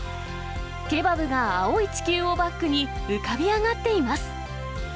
ケバブが青い地球をバックに浮かび上がっています。